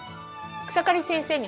草刈先生に話す？